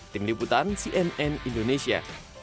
tim liputan cnn indonesia